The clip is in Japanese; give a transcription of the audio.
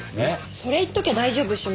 それ言っときゃ大丈夫っしょみたいな。